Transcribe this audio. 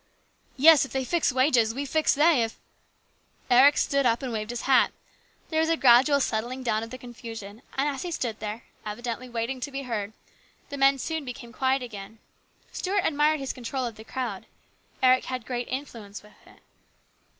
" Yes, they fixes wages ; we fix they, if Eric stood up and waved his hat. There was a gradual settling down of the confusion, and as he stood there, evidently waiting to be heard, the men soon became quiet again. Stuart admired his control of the crowd. Eric had great influence with it.